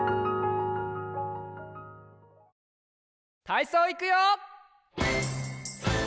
たいそういくよ！